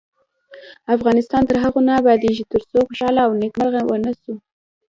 افغانستان تر هغو نه ابادیږي، ترڅو خوشحاله او نیکمرغه ونه اوسو.